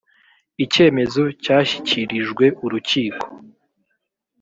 icyemezo cyashyikirijwe urukiko